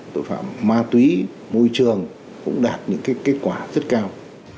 tội phạm ma túy môi trường cũng đạt những kết quả rất cao